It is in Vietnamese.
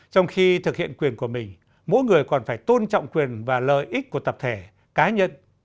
trong khi thực hiện quyền của mình mỗi người còn phải tôn trọng quyền và lợi ích của tập thể cá nhân